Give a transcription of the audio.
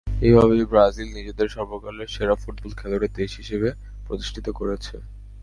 এভাবেই ব্রাজিল নিজেদের সর্বকালের সেরা ফুটবল খেলুড়ে দেশ হিসেবে প্রতিষ্ঠিত করেছে।